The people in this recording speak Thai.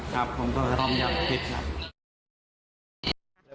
ครับผมก็พร้อมยังผิดครับ